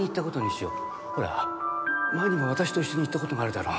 ほら前にも私と一緒に行った事があるだろ。